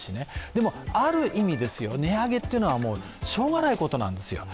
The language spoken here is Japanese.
でも、ある意味、値上げというのはしようがないことなんですよ。